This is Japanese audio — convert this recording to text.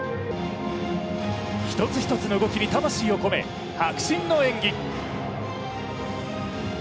１つ１つの動きに魂を込め、迫真の演技。